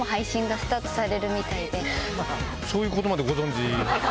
そういうことまでご存じ？